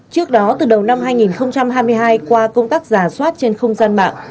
trước đó từ đầu năm hai nghìn hai mươi hai qua công tác giả soát trên không gian mạng